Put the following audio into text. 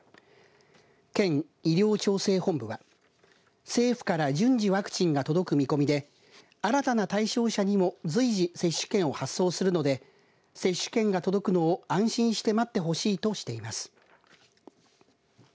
県医療調整本部は政府から順次ワクチンが届く見込みで新たな対象者にも随時接種券を発送するので接種券が届くのを安心して待ってほしいとしています。